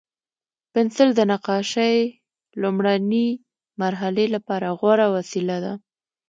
پنسل د نقاشۍ لومړني مرحلې لپاره غوره وسیله ده.